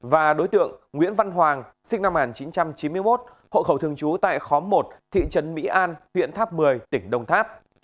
và đối tượng nguyễn văn hoàng sinh năm một nghìn chín trăm chín mươi một hộ khẩu thường trú tại khóm một thị trấn mỹ an huyện tháp một mươi tỉnh đồng tháp